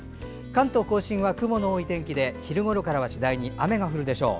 関東・甲信は雲の多い天気で昼ごろからは次第に雨が降るでしょう。